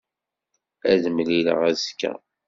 Ad t-mlileɣ azekka.